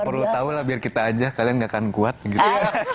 perlu tahu lah biar kita aja kalian gak akan kuat gitu ya